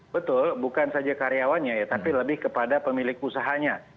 betul bukan saja karyawannya ya tapi lebih kepada pemilik usahanya